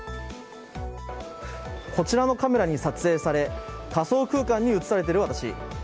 こちらのカメラに撮影され、仮想空間に映されている私。